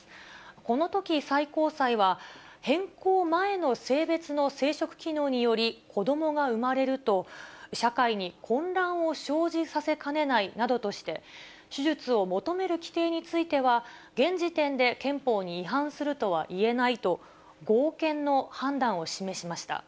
このとき、最高裁は、変更前の性別の生殖機能により、子どもが生まれると、社会に混乱を生じさせかねないなどとして、手術を求める規定については、現時点で憲法に違反するとはいえないと、合憲の判断を示しました。